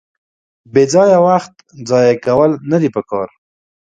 بېځایه وخت ځایه کول ندي پکار.